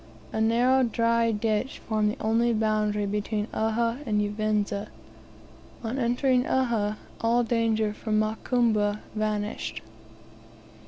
A narrow dry ditch formed the only boundary between Uhha and Uvinza. On entering Uhha, all danger from Makumbi vanished.